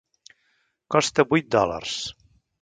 Costa vuit dòlars.